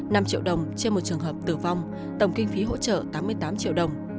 năm triệu đồng trên một trường hợp tử vong tổng kinh phí hỗ trợ tám mươi tám triệu đồng